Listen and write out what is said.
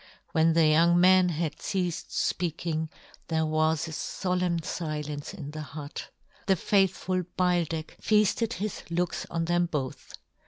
When the young man had ceafed fpeaking, there was a folemn filence in the hut. The faithful Beildech feafted his looks on them both.